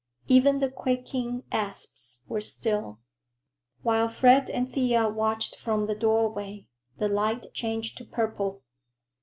Even the quaking asps were still. While Fred and Thea watched from the doorway, the light changed to purple.